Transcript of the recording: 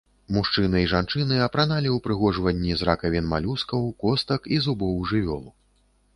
Мужчыны і жанчыны апраналі ўпрыгожванні з ракавін малюскаў, костак і зубоў жывёл.